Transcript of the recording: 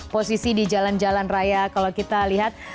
posisi di jalan jalan raya kalau kita lihat